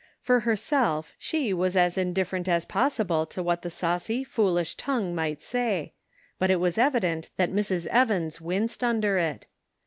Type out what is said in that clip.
For herself, she was as indifferent as pos sible to what the saucy, foolish tongue might say ; but it was evident that Mrs. Evans winced under it.